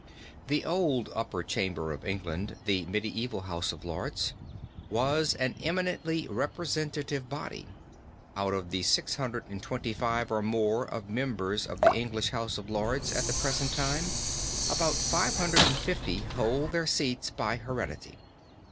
The old upper chamber of England, the medieval House of Lords, was an eminently representative body. Out of the 625 or more of members of the English House of Lords at the present time about five hundred and fifty hold their seats by heredity.